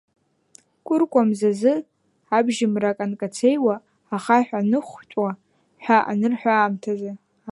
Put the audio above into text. Кәыркәа мзазы, абжьмрак анкацеиуа, ахаҳә аныхәтәуа ҳәа анырҳәо аамҭазы…